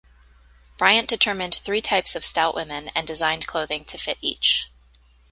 Bryant determined three types of stout women and designed clothing to fit each.